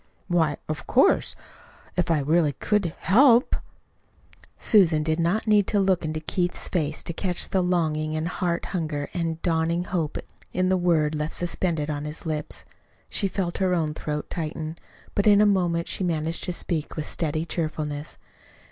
"Why, of course, if I really could HELP " Susan did not need to look into Keith's face to catch the longing and heart hunger and dawning hope in the word left suspended on his lips. She felt her own throat tighten; but in a moment she managed to speak with steady cheerfulness.